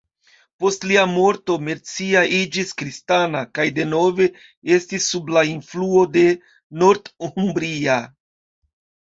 Post lia morto Mercia iĝis kristana, kaj denove estis sub la influo de Northumbria.